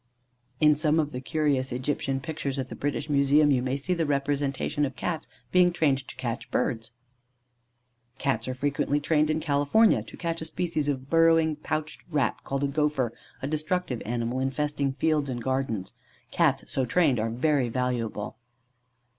In some of the curious Egyptian pictures at the British Museum, you may see the representation of Cats being trained to catch birds. Cats are frequently trained in California to catch a species of burrowing pouched rat, called a gopher, a destructive animal infesting fields and gardens. Cats, so trained, are very valuable.